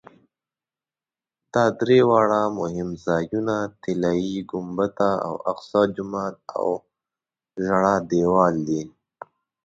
دا درې واړه مهم ځایونه طلایي ګنبده او اقصی جومات او ژړا دیوال دي.